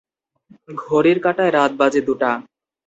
ঘড়ির কাটায় রাত বাজে দুটা।